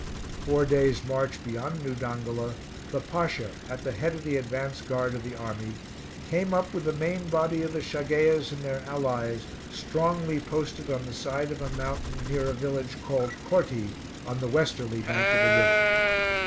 Four days' march beyond New Dongola, the Pasha, at the head of the advance guard of the army, came up with the main body of the Shageias and their allies, strongly posted on the side of a mountain near a village called Courty, on the westerly bank of the river.